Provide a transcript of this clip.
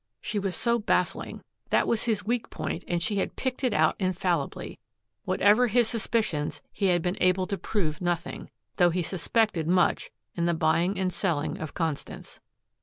She was so baffling. That was his weak point and she had picked it out infallibly. Whatever his suspicions, he had been able to prove nothing, though he suspected much in the buying and selling of Constance.